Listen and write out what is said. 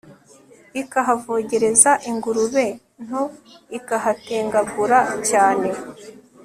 Ikahavogereza ingurube nto Ikahatengagura cyane